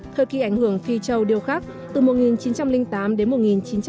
thời kỳ ảnh hưởng phi châu điều khác từ một nghìn chín trăm linh tám đến một nghìn chín trăm linh chín